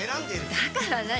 だから何？